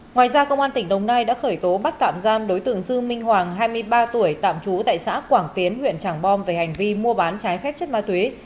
ngoài ra công an tỉnh đồng nai đã khởi tố bắt tạm giam đối tượng dư minh hoàng hai mươi ba tuổi tạm trú tại xã quảng tiến huyện trảng bom về hành vi mua bán trái phép chất ma túy